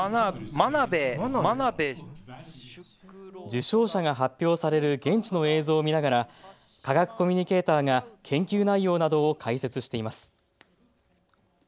受賞者が発表される現地の映像を見ながら科学コミュニケーターが研究内容などを解説しています。